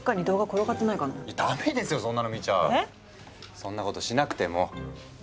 そんなことしなくてもほら。